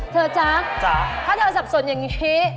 เธอจ๊ะถ้าศัพท์สนอย่างงี้